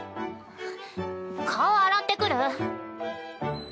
んっ顔洗ってくる。